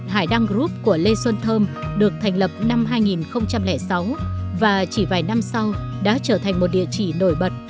hải đăng group của lê xuân thơm được thành lập năm hai nghìn sáu và chỉ vài năm sau đã trở thành một địa chỉ nổi bật